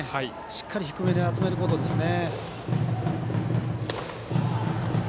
しっかり低めに集めることですね。